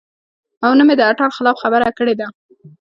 او نۀ مې د اتڼ خلاف خبره کړې ده -